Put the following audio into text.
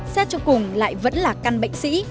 xét cho cùng lại vẫn là căn bệnh sĩ